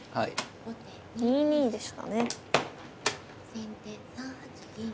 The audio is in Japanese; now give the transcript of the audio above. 先手３八銀。